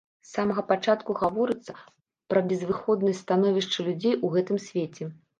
З самага пачатку гаворыцца пра безвыходнасць становішча людзей у гэтым свеце.